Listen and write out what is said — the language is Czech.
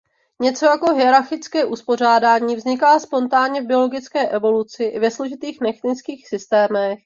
Něco jako „hierarchické uspořádání“ vzniká spontánně v biologické evoluci i ve složitých technických systémech.